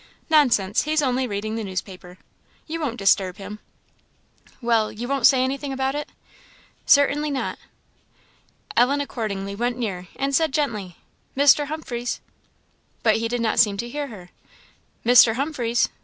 "Nonsense, he's only reading the newspaper. You won't disturb him." "Well, you won't say anything about it?" "Certainly not." Ellen accordingly went near, and said, gently, "Mr. Humphreys!" but he did not seem to hear her. "Mr. Humphreys!"